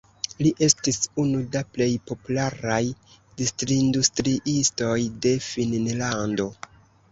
Li estis unu da plej popularaj distrindustriistoj de Finnlando.